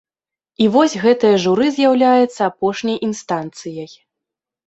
І вось гэтае журы з'яўляецца апошняй інстанцыяй.